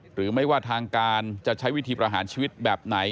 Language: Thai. หรือไม่ว่าทางการจะใช้วิธีประหารชีวิตแบบไหน